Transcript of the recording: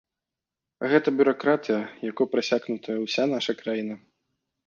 Гэта бюракратыя, якой прасякнутая ўся наша краіна.